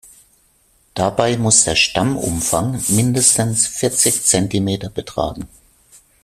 Dabei muss der Stammumfang mindestens vierzig Zentimeter betragen.